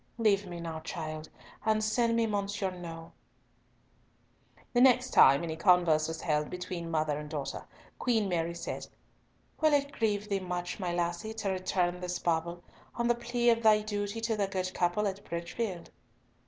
Leave me now, child, and send me Monsieur Nau." The next time any converse was held between mother and daughter, Queen Mary said, "Will it grieve thee much, my lassie, to return this bauble, on the plea of thy duty to the good couple at Bridgefield?"